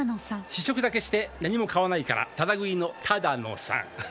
試食だけして何も買わないからタダ食いの「タダノさん」。